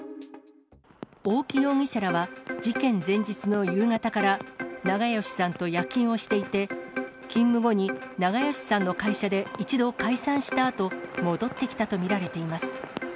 大木容疑者らは、事件前日の夕方から長葭さんと夜勤をしていて、勤務後に長葭さんの会社で一度解散したあと、戻ってきたと見られています。